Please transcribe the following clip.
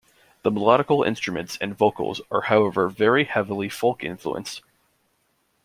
The melodical instruments and vocals are however very heavily folk-influenced.